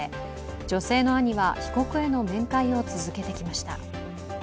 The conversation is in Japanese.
女性の兄は被告への面会を続けてきました。